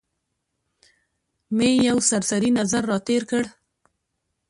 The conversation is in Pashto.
مې یو سرسري نظر را تېر کړ.